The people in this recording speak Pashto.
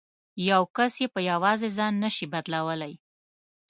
یو کس یې په یوازې ځان نه شي بدلولای.